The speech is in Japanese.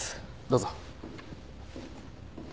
どうぞ。